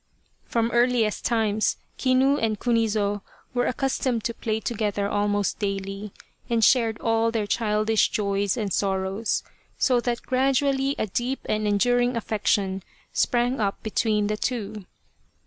From earliest times Kinu and Kunizo were accus tomed to play together almost daily, and shared all their childish joys and sorrows, so that gradually a deep and enduring affection sprang up between the two.